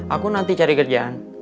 aku nanti cari kerjaan